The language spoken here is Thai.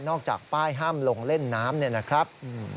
นอกจากป้ายห้ามลงเล่นน้ำนะครับ